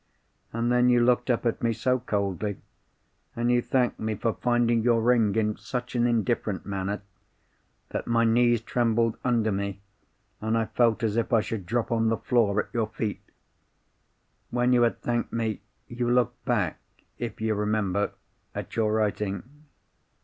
And then, you looked up at me so coldly, and you thanked me for finding your ring in such an indifferent manner, that my knees trembled under me, and I felt as if I should drop on the floor at your feet. When you had thanked me, you looked back, if you remember, at your writing.